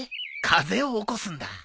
風を起こすんだ。